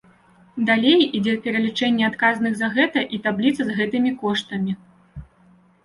Далей ідзе пералічэнне адказных за гэта і табліца з гэтымі коштамі.